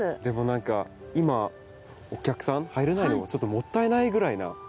でも何か今お客さん入れないのがちょっともったいないぐらいな。